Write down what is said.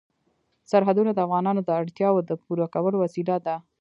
سرحدونه د افغانانو د اړتیاوو د پوره کولو وسیله ده.